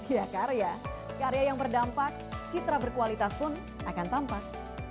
ya karya karya yang berdampak citra berkualitas pun akan tampak